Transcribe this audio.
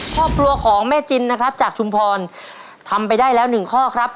ครอบครัวของแม่จินนะครับจากชุมพรทำไปได้แล้วหนึ่งข้อครับ